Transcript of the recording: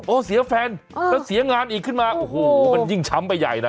เสียแฟนแล้วเสียงานอีกขึ้นมาโอ้โหมันยิ่งช้ำไปใหญ่นะ